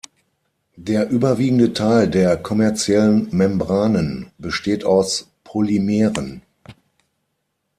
Der überwiegende Teil der kommerziellen Membranen besteht aus Polymeren.